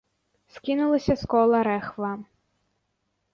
Скінулася з кола рэхва.